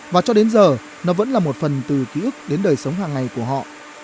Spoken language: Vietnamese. và cho đến giờ nó vẫn là một phần từ ký ức đến đời sống hàng ngày của họ